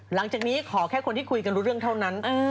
หลังจากนี้ขอแค่คนที่คุยกันรู้เรื่องเท่านั้น